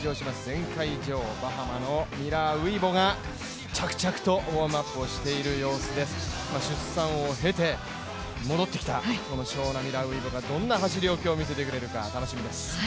前回女王、バハマのミラーウイボが着々とウォームアップしている、出産を経て戻ってきたこのショウナ・ミラーウイボがどんな走りを今日見せてくれるか楽しみです。